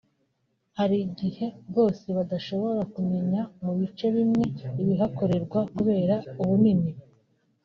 Hari igihe rwose badashobora kumenya mu bice bimwe ibihakorerwa kubera ubunini